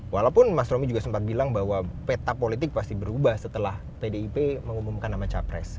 walaupun mas romy juga sempat bilang bahwa peta politik pasti berubah setelah pdip mengumumkan nama capres